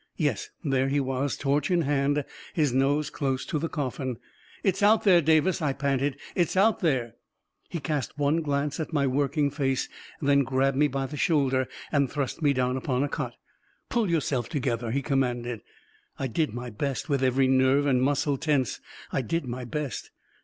Yes, there he was, torch in hand, his nose close to the coffin. "It's out there, Davis!" I panted. "It's out there !" He cast one glance at my working face, then grabbed me by the shoulder and thrust me down upon a cot. " Pull yourself together !" he commanded. I did my best — with every nerve and muscle tense, I did my best.